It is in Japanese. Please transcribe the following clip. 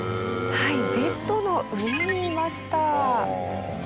はいベッドの上にいました。